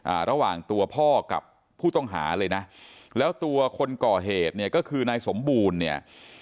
อ่าระหว่างตัวพ่อกับผู้ต้องหาเลยนะแล้วตัวคนก่อเหตุเนี่ยก็คือนายสมบูรณ์เนี่ย